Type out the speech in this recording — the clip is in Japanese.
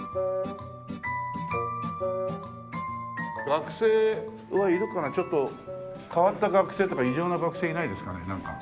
学生はいるかなちょっと変わった学生とか異常な学生いないですかねなんか。